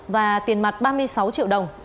và tiền mặt ba mươi sáu triệu đồng